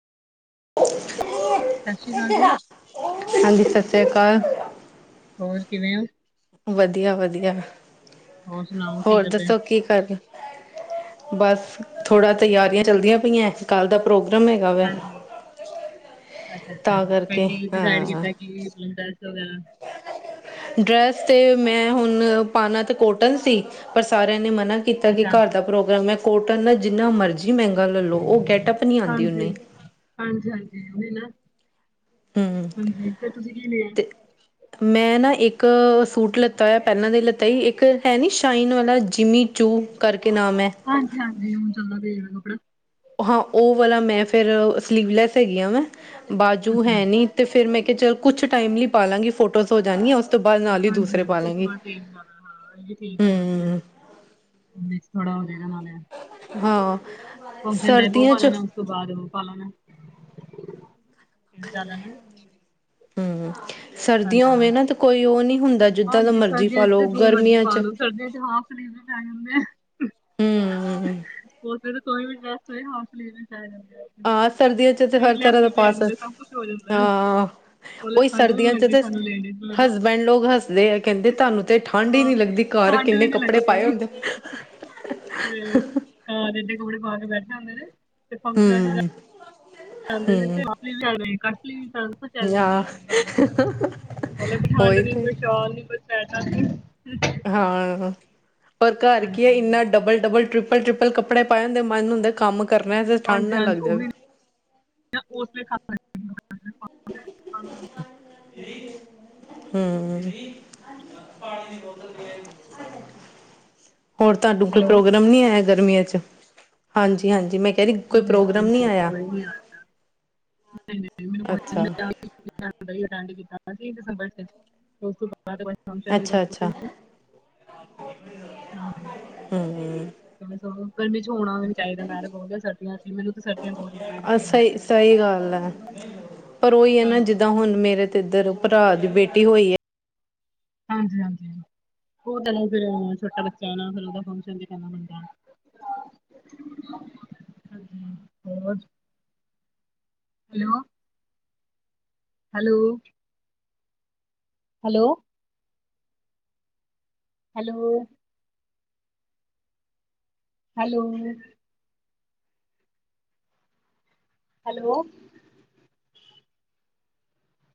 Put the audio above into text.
ਸਤਿ ਸ਼੍ਰੀ ਅਕਾਲ ਜੀ, ਹਾਂਜੀ ਸਤਿ ਸ਼੍ਰੀ ਅਕਾਲ। ਹੋਰ ਕਿਵੇਂ ਓ? ਵਧੀਆ ਵਧੀਆ। ਹੋਰ ਸੁਣਾਓ? ਕੀ ਹੋਰ ਕਰਦੇ? ਦੱਸੋ ਕੀ ਕਰਦੇ। ਬਸ ਥੋੜਾ ਤਿਆਰੀਆਂ ਚੱਲਦੀਆਂ ਪਈਆਂ ਕੱਲ੍ਹ ਦਾ। ਪ੍ਰੋਗਰਾਮ ਹੈਗਾ ਵਾ ਹਾਂਜੀ, ਤਾਂ ਕਰਕੇ ਹਾਂ। ਡੈਸ ਵਗੈਰਾ ਡਰੈਸ ਤੇ ਮੈਂ ਹੁਣ ਪਾਣਾ ਤਾਂ ਕੋਟਨ ਸੀ ਪਰ ਸਾਰਿਆਂ ਨੇ ਮਨਾ ਕੀਤਾ ਕੀ ਅੱਛਾ, ਘਰ ਦਾ ਪ੍ਰੋਗਰਾਮ ਮੈਂ ਕੋਟਨ ਨਾਲ ਜਿੰਨਾ ਮਰਜ਼ੀ ਮਹਿੰਗਾ ਲੈ ਲਉ ਉਹ ਗੈਟਅਪ ਨਹੀਂ ਆਂਦੀ ਓਨੇ, ਹਾਂਜੀ ਹਾਂਜੀ ਓਹੀ ਨਾ। ਹੂੰ ਹਾਂਜੀ ਫਿਰ ਤੁਸੀਂ ਕੀ ਲਿਆ? ਤੇ। ਮੈਂ ਨਾ ਇੱਕ ਸੂਟ ਲਿੱਤਾ ਹੋਇਆ ਪਹਿਲਾਂ ਦੇ ਲੀਤਾ ਸੀ ਇੱਕ ਹੈ ਨਹੀਂ ਸ਼ਾਈਨ ਵਾਲਾ ਜਿਮੀ ਚੁ ਕਰਕੇ ਨਾਮ ਐ। ਹਾਂਜੀ ਹਾਂਜੀ ਹੁਣ ਚੱਲਦਾ ਪਿਆ ਕੱਪੜਾ। ਹਾਂ ਉਹ ਵਾਲਾ ਮੈਂ ਫੇਰ ਸਲੀਵਲੈਸ ਹੈਗੀ ਆ ਵੈ ਬਾਜੂ ਅੱਛਾ। ਹੈ ਨੀ। ਤੇ ਫਿਰ ਮੈਂ ਕਿਹਾ ਚੱਲ ਕੁਛ ਟਾਈਮ ਲਈ ਪਾ ਲਾਂਗੀ ਫੋਟੋਜ਼ ਹੋ ਜਾਣੀਆਂ ਉਸ ਤੋਂ ਬਾਅਦ ਨਾਲ ਹੀ ਹਾਂਜੀ ਦੂਸਰੇ ਹਾਂਜੀ ਪਾ ਉਸ ਤੋਂ ਲਾਂਗੀ ਬਾਅਦ ਚੇਂਜ [unintelligible] ਠੀਕ ਆ ਵਧੀਆ। ਹੂੰ [unintelligible] ਥੋੜਾ ਹੋਜੇਗਾ ਨਾਲੇ। ਹਾਂ। ਫੰਸ਼ਨ ਡਾਈ ਓ ਸਰਦੀਆਂ ਪਾ 'ਚ ਲੈਣਾ ਉਸ ਤੋਂ ਬਾਅਦ ਓ ਪਾ ਲੈਣਾ। ਹੂੰ, ਸਰਦੀਆਂ ਹਾਂਜੀ, ਹੋਵੇ ਨਾ ਤਾਂ ਕੋਈ ਓ ਨਹੀਂ ਹੁੰਦਾ ਜਿੱਦਾਂ ਦਾ ਹਾਂਜੀ ਮਰਜ਼ੀ ਸਰਦੀਆਂ ਪਾ ਚ ਤੇ ਲਓ ਜੋ ਮਰਜੀ ਗਰਮੀਆਂ ਪਾ ਚ। ਲੋ ਸਰਦੀਆਂ ਚੇ ਹਾਫ ਸਲੀਵ ਵੀ ਪੈ ਜਾਂਦੇ ਆ। ਹੂੰ ਉਸੇ ਤੂੰ ਵੀ ਬਸ ਹਸਟਲੀ ਜਾਂਦੇ ਆ। ਹਾਂ ਸਰਦੀਆਂ 'ਚ ਤੇ ਸਲੀਵ ਹਰ ਲੈਸ ਤਰ੍ਹਾਂ ਦਾ ਵੀ ਪਾ ਪੈ ਸਕ ਜਾਂਦੇ ਸਭ ਕੁਛ ਹੋ ਜਾਂਦਾ ਹਾਂ ਮਤਲਬ ਉਹੀ ਠੰਡ ਵੀ ਨੀ ਸਰਦੀਆਂ 'ਚ ਲੈਂਦੀ। ਜੇ ਤੇ ਸਾਨੂੰ ਲੈਣੇ। ਹਸਬੈਂਡ ਲੋਕ ਹੱਸਦੇ ਆ ਕਹਿੰਦੇ ਤੁਹਾਨੂੰ ਤੇ ਠੰਢ ਹੀ ਹਾਂ ਨੀ ਲੱਗਦੀ ਘਰ ਠੰਡ ਕਿੰਨੇ ਕੱਪੜੇ ਪਾਏ ਹੁੰਦੇ। ਘਰ ਏਡੇ ਕੱਪੜੇ ਪਾ ਕੇ ਬੈਠੇ ਹੁੰਦੇ ਨੇ ਤੇ ਫੰਗਸ਼ਾਨਾ ਚ ਜਾ ਕੇ। ਹੂੰ, ਜਾਂਦੇ ਨੇ ਹੂੰ, [inaudible] ਵੀ ਜਾਂਦੇ। ਚੱਲ ਜਾਂਦਾ ਆ ਮਤਲਬ ਵੀ ਠੰਡ ਉਹੀ ਨੀ ਤੇ ਕੋਈ ਸ਼ਾਲ ਨੀ ਕੋਈ [unintelligible] ਹਾਂ ਔਰ ਘਰ ਕੀ ਐ ਹਾਂਜੀ ਇੰਨਾ ਡਬਲ ਡਬਲ ਟ੍ਰਿਪਲ ਟ੍ਰਿਪਲ ਕੱਪੜੇ ਪਾਏ ਹੁੰਦੇ ਮਨ ਹੁੰਦੇ ਕੰਮ ਕਰਨਾ। ਠੰਢ ਹਾਂਜੀ ਨਾ ਲੱਗ ਹਾਂਜੀ ਜਾਵੇ ਉਹੀ ਉਸ [unintelligible] [unintelligible] ਹਮ। ਪਾਣੀ ਦੀ ਬੋਤਲ ਦੇ ਆਈ। ਹੋਰ ਤੁਹਾਨੂੰ ਕੋਈ ਹੈਲੋ ਪ੍ਰੋਗਰਾਮ ਨੀ ਆਇਆ ਗਰਮੀਆਂ 'ਚ, ਹਾਂਜੀ-ਹਾਂਜੀ ਮੈਂ ਕੈਦੀ ਕੋਈ ਪ੍ਰੋਗਰਾਮ ਨੀ ਆਇਆ? ਨਹੀਂ-ਨਹੀਂ ਮੈਨੂੰ ਕੋਈ। ਅੱਛਾ [unintelligible] ਪ੍ਰੋਗਰਾਮ ਅਟੈਂਡ ਕੀਤਾ ਸੀ, ਦਸੰਬਰ 'ਚ ਉਸ ਬਾਅਦ ਕੋਈ ਫੰਕਸ਼ਨ ਅੱਛਾ ਨੀ। ਅੱਛਾ [unintelligible] ਹਾਂਜੀ। ਹਾਂਜੀ। ਇਨੇ ਸੋਹਲ, ਪਿੰਡ 'ਚ ਹੋਣਾ ਵੀ ਨੀ। ਚਾਈਦਾ, ਮੈ ਤੇ ਬਹੁਤੀਆਂ ਸਰਦੀਆਂ ਸੀ, ਮੈਨੂੰ ਤੇ ਸਰਦੀਆਂ ਬਹੁਤ ਵਧੀਆ ਆ ਲੱਗਦੀਆਂ ਨੇ। ਸਹੀ ਸਹੀ ਗੱਲ ਹੈ ਪਰ ਉਹੀ ਐ ਨਾ, ਜਿੱਦਾਂ ਹੁਣ ਮੇਰੇ ਤੇ ਇੱਧਰ ਭਰਾ ਦੀ ਬੇਟੀ ਹੋਈ ਐ ਹਾਂਜੀ-ਹਾਂਜੀ, ਉਹ ਤਾਂ ਹੈ ਈ, ਫੇਰ ਛੋਟਾ ਬੱਚਾ ਏ ਨਾ ਫਿਰ ਉਹਦਾ ਫੰਕਸ਼ਨ ਤੇ ਕਰਨਾ ਪੈਂਦਾ। ਹਾਂਜੀ ਹੋਰ। Hello. Hello. Hello. Hello. Hello. Hello.